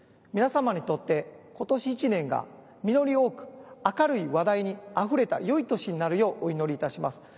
皆様にとって今年一年が実り多く明るい話題にあふれた良い年になるようお祈りいたします。